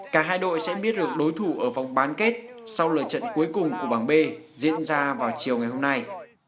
cả hai đội sẽ biết được đối thủ ở vòng bán kết sau lời trận cuối cùng của bảng b diễn ra vào chiều ngày hôm nay